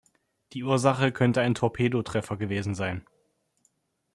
Die Ursache könnte ein Torpedo-Treffer gewesen sein.